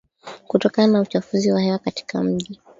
kutokana na uchafuzi wa hewa katika miji